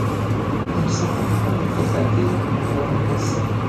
ემსახურება ვეგეტატიურ გამრავლებას.